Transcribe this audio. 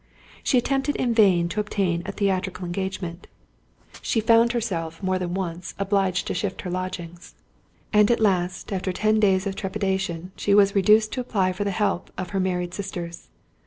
She attempted in vain to obtain a theatrical engagement; she found herself, more than once, obliged to shift her lodging; and at last, after ten days of trepidation, she was reduced to apply for help to her married sisters.